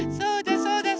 そうです。